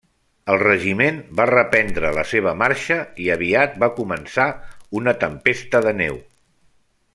El regiment va reprendre la seva marxa i aviat va començar una tempesta de neu.